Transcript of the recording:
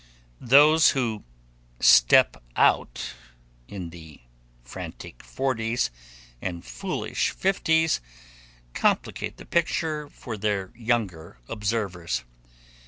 Those who "step out" in the frantic forties and foolish fifties complicate the picture for their younger observers.